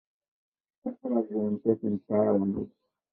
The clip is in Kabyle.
La ttṛajunt ad tent-tɛawneḍ.